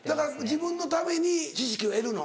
自分のために知識を得るの？